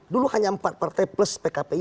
dulu hanya empat partai plus pkpi